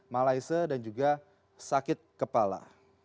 malaise dan juga sakit kepala